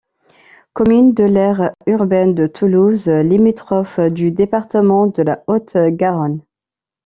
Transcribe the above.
Commune de l'aire urbaine de Toulouse, limitrophe du département de la Haute-Garonne.